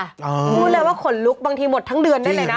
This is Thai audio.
อ๋อจริงหรอวินอ๋อพูดเลยว่าขนลุกบางทีหมดทั้งเดือนได้เลยนะ